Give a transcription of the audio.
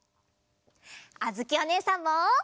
あづきおねえさんも！